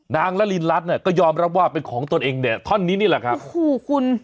นางนรริรัฐก็ยอมรับว่าเป็นของตนเองเนี่ยท่อนนี้นี่แหละครับคุณ